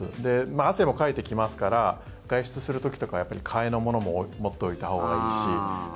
汗もかいてきますから外出する時とかは替えのものも持っておいたほうがいいし。